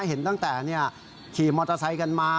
เห็นตั้งแต่ขี่มอเตอร์ไซค์กันมา